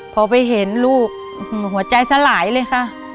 พอไปเห็นลูกหัวใจสลายเลยค่ะ